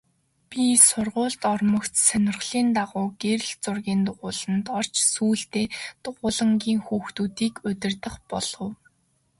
Би сургуульд ормогц сонирхлын дагуу гэрэл зургийн дугуйланд орж сүүлдээ дугуйлангийн хүүхдүүдийг удирдах болов.